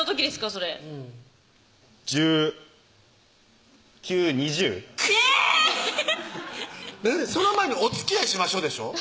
その前に「おつきあいしましょう」でしょ？